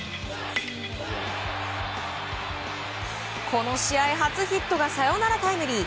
この試合初ヒットがサヨナラタイムリー。